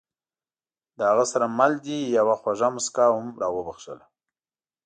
له هغه سره مل دې یوه خوږه موسکا هم را وبښله.